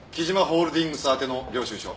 ホールディングス宛ての領収書。